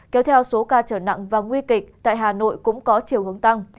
kéo theo số ca trở nặng và nguy kịch tại hà nội cũng có chiều hướng tăng